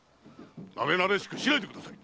なれなれしくしないでください！